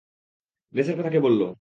রেসের কথা কে বললো।